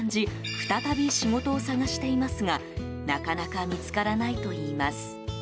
再び仕事を探していますがなかなか見つからないといいます。